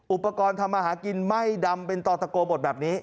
อุปกรณ์ทำมาหากินไม่ดำเป็นต่อตะโกบทแบบนี้